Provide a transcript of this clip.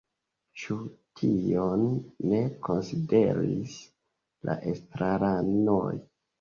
Ĉu tion ne konsideris la estraranoj?